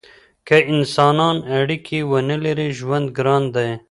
که انسانان اړیکې ونلري ژوند ګران دی.